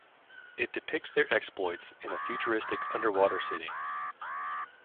It depicts their exploits in a futuristic underwater city.